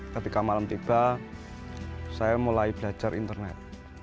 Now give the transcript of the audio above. ketika malam tiba saya mulai belajar internet